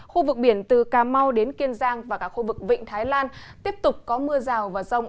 khu vực biển từ cà mau đến kiên giang và cả khu vực vịnh thái lan tiếp tục có mưa rào và rông